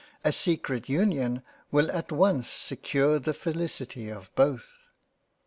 A secret Union will at once secure the felicity of both."